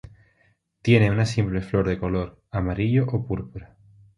Tiene una simple flor de color amarillo o púrpura.